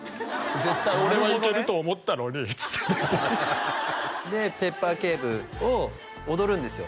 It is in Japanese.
絶対俺はいけると思ったのにっつってで「ペッパー警部」を踊るんですよ